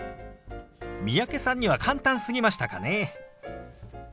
三宅さんには簡単すぎましたかね。